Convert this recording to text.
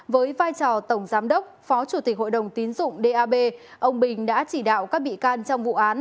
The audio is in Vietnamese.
với vai trò tổng giám đốc phó chủ tịch hội đồng tín dụng dap ông bình đã chỉ đạo các bị can trong vụ án